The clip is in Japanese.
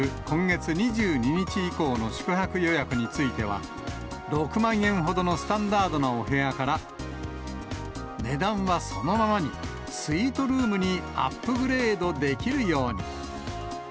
今月２２日以降の宿泊予約については、６万円ほどのスタンダードなお部屋から、値段はそのままに、スイートルームにアップグレードできるように。